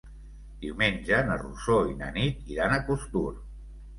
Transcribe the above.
Diumenge na Rosó i na Nit iran a Costur.